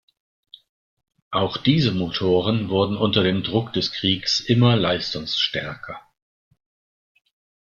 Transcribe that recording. Auch diese Motoren wurden unter dem Druck des Kriegs immer leistungsstärker.